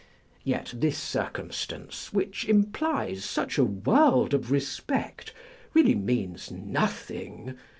Yet this circumstance, which implies such a world of respect, really means nothing.